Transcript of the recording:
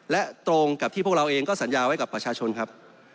และตรงกับที่พวกเราเองก็สัญญาไว้กับประชาชนครับ